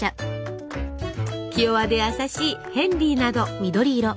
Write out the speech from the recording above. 気弱で優しい「ヘンリー」など。